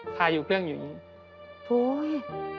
พาอยู่เครื่องอยู่อย่างนี้โอ๊ย